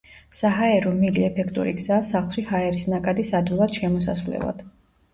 საჰაერო მილი ეფექტური გზაა სახლში ჰაერის ნაკადის ადვილად შემოსასვლელად.